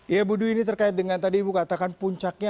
ya bu dwi ini terkait dengan tadi ibu katakan puncaknya